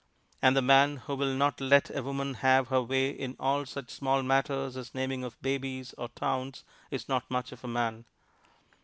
And the man who will not let a woman have her way in all such small matters as naming of babies or towns is not much of a man.